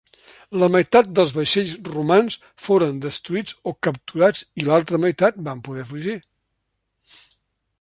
La meitat dels vaixells romans foren destruïts o capturats i l'altra meitat van poder fugir.